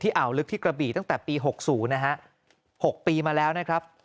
อ่าวลึกที่กระบี่ตั้งแต่ปี๖๐นะฮะ๖ปีมาแล้วนะครับ